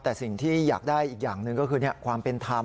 แต่สิ่งที่อยากได้อีกอย่างหนึ่งก็คือความเป็นธรรม